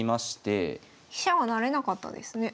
飛車は成れなかったですね。